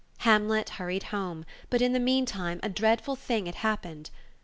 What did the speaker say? Hamlet hurried home, but in the meantime a dreadful thing had happened.